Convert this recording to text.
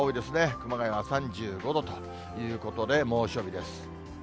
熊谷は３５度ということで、猛暑日です。